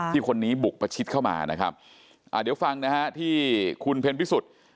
คนนี้บุกประชิดเข้ามานะครับอ่าเดี๋ยวฟังนะฮะที่คุณเพ็ญพิสุทธิ์